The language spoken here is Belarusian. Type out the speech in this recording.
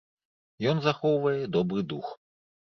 Ён захоўвае добры дух.